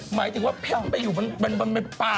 หมายถึงว่าเพ่งไปอยู่บนป่า